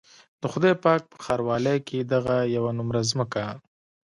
د خدای پاک په ښاروالۍ کې دغه يوه نومره ځمکه.